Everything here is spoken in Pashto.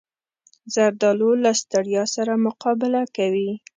زردالو له ستړیا سره مقابله کوي.